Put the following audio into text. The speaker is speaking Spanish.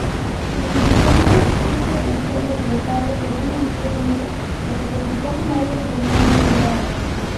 Utilizando un violonchelo prestado por un amigo suyo, se presentó en varias reuniones privadas.